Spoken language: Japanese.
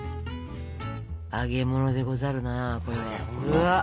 揚げ物でござるなこれは。